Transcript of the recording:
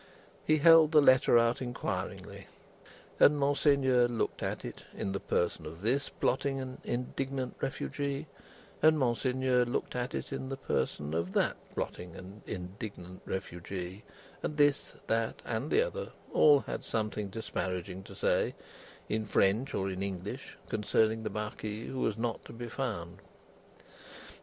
He held the letter out inquiringly; and Monseigneur looked at it, in the person of this plotting and indignant refugee; and Monseigneur looked at it in the person of that plotting and indignant refugee; and This, That, and The Other, all had something disparaging to say, in French or in English, concerning the Marquis who was not to be found.